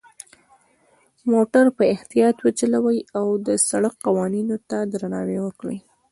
موټر په اختیاط وچلوئ، او د سرک قوانینو ته درناوی وکړئ.